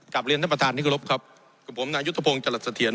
กลับเรียนท่านประธานนิกลบครับผมนายุทธพงศ์จรสเถียน